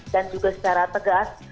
dan juga secara tegas